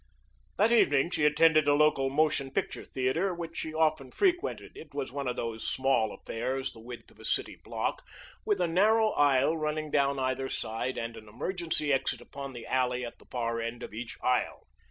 That evening she attended a local motion picture theater which she often frequented. It was one of those small affairs, the width of a city block, with a narrow aisle running down either side and an emergency exit upon the alley at the far end of each aisle.